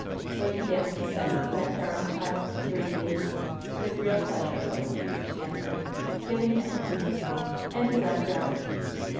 "Will you dance this set with me, then, darling child?" he repeated. "With real pleasure, Roland," she answered, giving him her hand. And he led her out.